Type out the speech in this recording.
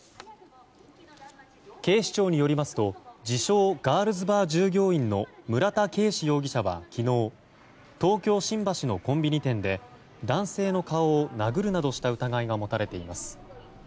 警視庁によりますと自称ガールズバー従業員の村田圭司容疑者は昨日東京・新橋のコンビニ店で男性の顔を殴るなどした疑いが持たれています。